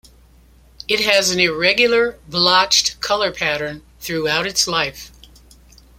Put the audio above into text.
It has an irregular, blotched color pattern throughout its life.